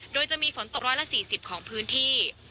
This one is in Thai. โดยจะมีฝนตกร้อยละ๔๐ของพื้นที่